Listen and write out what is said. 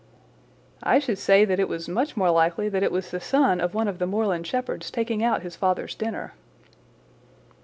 "I should say that it was much more likely that it was the son of one of the moorland shepherds taking out his father's dinner."